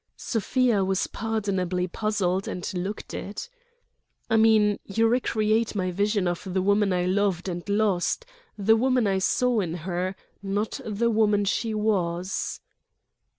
Sofia was pardonably puzzled, and looked it. "I mean, you re create my vision of the woman I loved and lost—the woman I saw in her, not the woman she was."